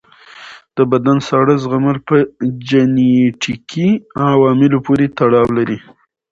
د بدن ساړه زغمل په جنیټیکي عواملو پورې تړاو لري.